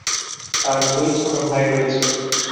তার দুই ছোট ভাই রয়েছে।